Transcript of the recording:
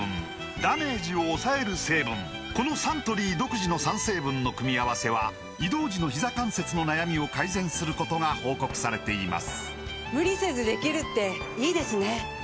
このサントリー独自の３成分の組み合わせは移動時のひざ関節の悩みを改善することが報告されています